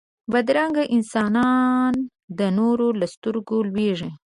بدرنګه انسانونه د نورو له سترګو لوېږي